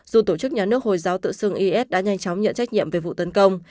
dù tổ chức nhà nước hồi giáo tự xưng is đã nhanh chóng nhận trách nhiệm về vụ tấn công